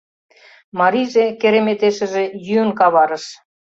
Марийже, кереметешыже, йӱын каварыш.